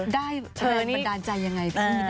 ได้ประดานใจอย่างไร